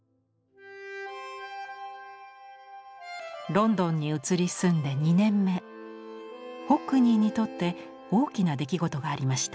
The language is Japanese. ロンドンに移り住んで２年目ホックニーにとって大きな出来事がありました。